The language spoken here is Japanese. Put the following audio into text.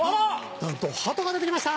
なんとハトが出て来ました！